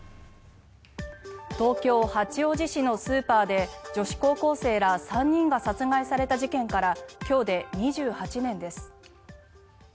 東京・八王子市のスーパーで女子高校生ら３人が殺害された事件から今日で２８年です。